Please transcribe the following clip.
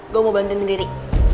gue mau bantuin riri